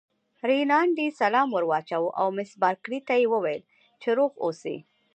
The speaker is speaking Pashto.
رینالډي سلام ور واچاوه او مس بارکلي ته یې وویل چې روغ اوسی.